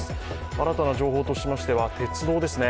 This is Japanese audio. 新たな情報としましては鉄道ですね。